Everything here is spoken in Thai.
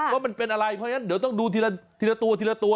ว่ามันเป็นอะไรเพราะฉะนั้นเดี๋ยวต้องดูทีละตัว